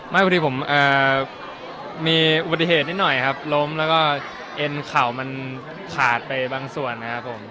ไม่พอดีผมมีอุบัติเหตุนิดหน่อยครับล้มแล้วก็เอ็นเข่ามันขาดไปบางส่วนนะครับผม